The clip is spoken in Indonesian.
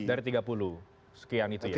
dari tiga puluh sekian itu